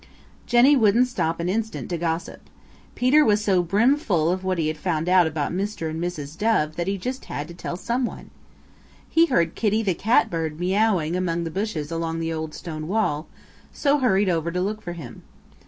Jenny wouldn't stop an instant to gossip. Peter was so brimful of what he had found out about Mr. and Mrs. Dove that he just had to tell some one. He heard Kitty the Catbird meowing among the bushes along the old stone wall, so hurried over to look for him.